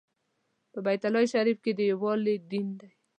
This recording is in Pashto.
په بیت الله شریف کې د یووالي دین دی.